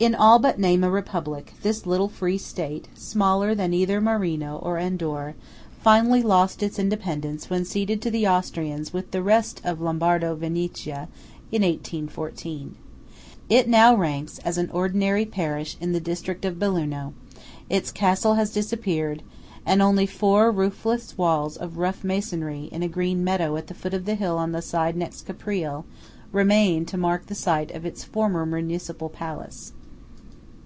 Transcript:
16 In all but name a republic, this little free state, smaller than either Marino or Andorre, finally lost its independence when ceded to the Austrians with the rest of Lombardo Venetia in 1814. It now ranks as an ordinally parish in the district of Belluno; its castle has disappeared; and only four roofless walls of rough masonry in a green meadow at the foot of the hill on the side next Caprile, remain to mark the site of its former Municipal Palace.